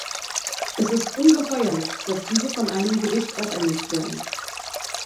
Es ist ungeheuerlich, dass diese von einem Gericht auferlegt werden.